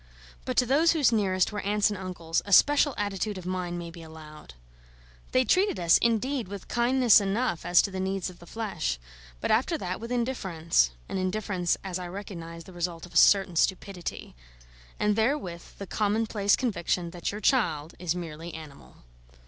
But to those whose nearest were aunts and uncles, a special attitude of mind may be allowed. They treated us, indeed, with kindness enough as to the needs of the flesh, but after that with indifference (an indifference, as I recognise, the result of a certain stupidity), and therewith the commonplace conviction that your child is merely animal.